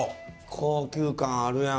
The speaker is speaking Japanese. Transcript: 高級感あるやん。